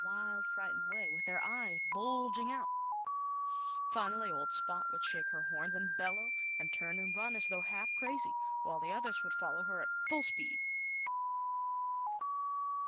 wild, frightened way, with their eyes ^*^^^[^"^ ^^^M ^^^ ^I^P^^k bulging out/ 1 \ Ss s Finally old Spot would shake her horns and bellow, and turn and run as though half crazy, while the others would follow her at full speed.